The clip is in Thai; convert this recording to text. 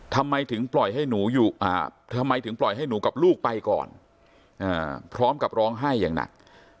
ทำไมถึงปล่อยให้หนูกับลูกไปก่อนพร้อมกับร้องไห้อย่างหนัก